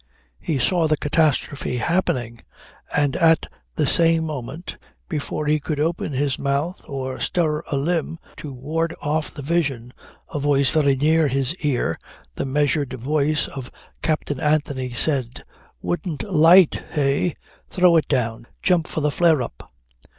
He saw the catastrophe happening and at the same moment, before he could open his mouth or stir a limb to ward off the vision, a voice very near his ear, the measured voice of Captain Anthony said: "Wouldn't light eh? Throw it down! Jump for the flare up."